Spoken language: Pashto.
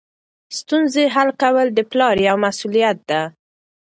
ستونزو حل کول د پلار یوه مسؤلیت ده.